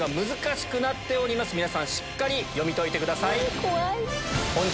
皆さんしっかり読み解いてください。